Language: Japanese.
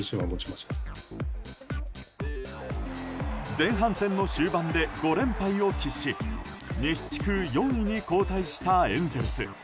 前半戦の終盤で５連敗を喫し西地区４位に後退したエンゼルス。